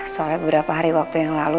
soalnya beberapa hari waktu yang lalu